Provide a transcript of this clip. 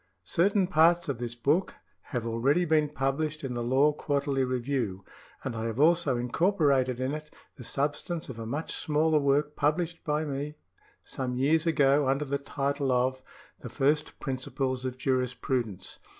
:(: H: ^ H< ^ Certain parts of this book have already been published in the Law Quarterly Review, and I have also incorporated in it the substance of a much smaller work published by me some V vi PREFACE years ago under the title of " The First Principles of Juris prudence."